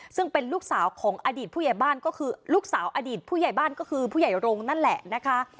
ซึ่งเป็นลูกสาวของอดีตผู้ใหญ่บ้านก็คือลูกสาวอดีตผู้ใหญ่บ้านก็คือผู้ใหญ่โรงนั่นแหละนะคะ